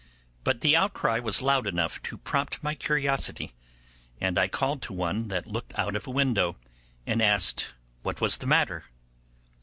But the outcry was loud enough to prompt my curiosity, and I called to one that looked out of a window, and asked what was the matter.